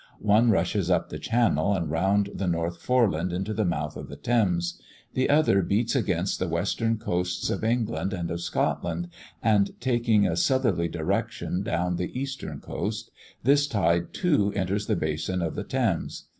One rushes up the Channel, and round the North Foreland into the mouth of the Thames; the other beats against the western coasts of England and Scotland, and, taking a southerly direction down the eastern coast, this tide too enters the basin of the Thames.